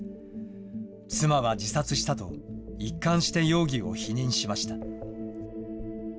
妻は自殺したと、一貫して容疑を否認しました。